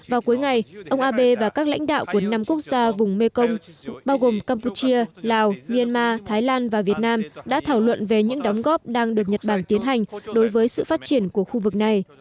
vào cuối ngày ông abe và các lãnh đạo của năm quốc gia vùng mekong bao gồm campuchia lào myanmar thái lan và việt nam đã thảo luận về những đóng góp đang được nhật bản tiến hành đối với sự phát triển của khu vực này